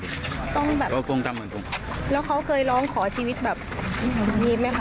ด้วยก็คงตามเหมือนกองเงินแล้วเขาเคยร้องขอชีวิตแบบคือกลับวาย